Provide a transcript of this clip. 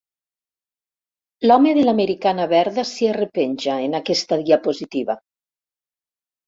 L'home de l'americana verda s'hi arrepenja, en aquesta diapositiva.